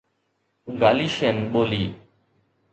گاليشين ٻولي